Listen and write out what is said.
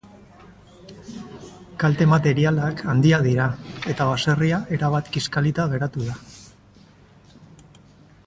Kalte materialak handiak dira, eta baserria erabat kiskalita geratu da.